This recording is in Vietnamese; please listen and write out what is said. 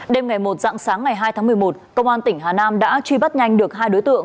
đêm ngày một dạng sáng ngày hai tháng một mươi một công an tỉnh hà nam đã truy bắt nhanh được hai đối tượng